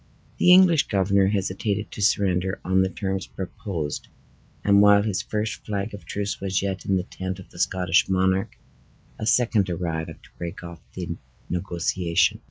The English governor hesitated to surrender on the terms proposed, and while his first flag of truce was yet in the tent of the Scottish monarch, a second arrived to break off the negotiation.